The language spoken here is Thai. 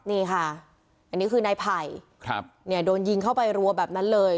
นี่ค่ะอันนี้คือนายไผ่โดนยิงเข้าไปรัวแบบนั้นเลย